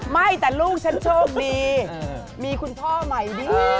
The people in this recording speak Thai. ไม่แต่ลูกฉันโชคดี